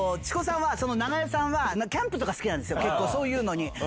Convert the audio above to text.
長与さんは、キャンプとか好きなんですよ、結構、そういうのに。